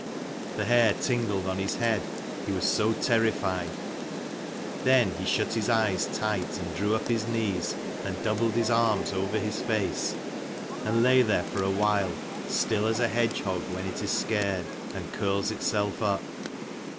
The hair tingled on his head, he was so terrified. Then he shut his eyes tight, and drew up his knees, and doubled his arms over his face, and lay there for a while, still as a hedgehog when it is scared, and curls itself up.